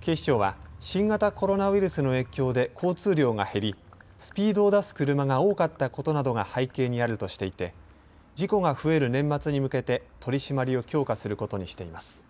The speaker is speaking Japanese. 警視庁は新型コロナウイルスの影響で交通量が減りスピードを出す車が多かったことなどが背景にあるとしていて事故が増える年末に向けて取締りを強化することにしています。